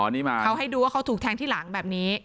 นี่มาเขาให้ดูว่าเขาถูกแทงที่หลังแบบนี้